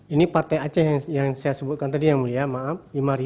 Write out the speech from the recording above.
ini partai aceh yang saya sebutkan tadi miliah maaf lima tujuh ratus tujuh